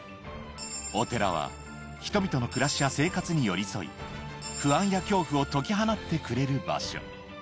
お寺は人々の暮らしや生活に寄り添い、不安や恐怖を解き放ってくれる場所。